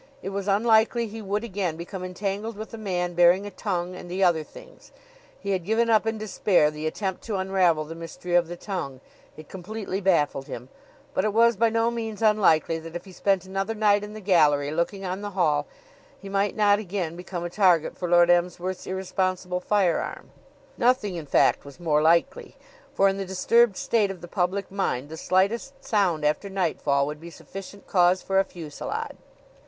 It was unlikely he would again become entangled with a man bearing a tongue and the other things he had given up in despair the attempt to unravel the mystery of the tongue; it completely baffled him but it was by no means unlikely that if he spent another night in the gallery looking on the hall he might not again become a target for Lord Emsworth's irresponsible firearm. Nothing, in fact, was more likely; for in the disturbed state of the public mind the slightest sound after nightfall would be sufficient cause for a fusillade.